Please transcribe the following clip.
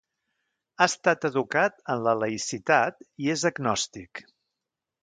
Ha estat educat en la laïcitat i és agnòstic.